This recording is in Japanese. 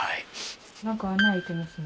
何か穴開いてますね。